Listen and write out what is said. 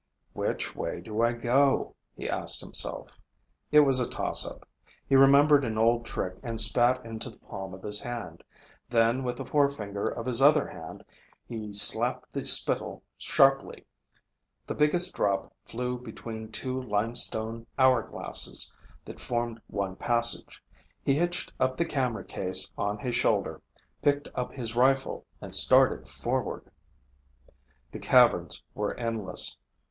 "Which way do I go?" he asked himself. It was a tossup. He remembered an old trick and spat into the palm of his hand. Then, with the forefinger of his other hand, he slapped the spittle sharply. The biggest drop flew between two limestone hour glasses that formed one passage. He hitched up the camera case on his shoulder, picked up his rifle, and started forward. The caverns were endless.